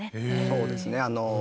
そうですね。